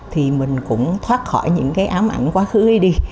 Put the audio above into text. thì mình cũng thoát khỏi những cái ám ảnh quá khứ ấy đi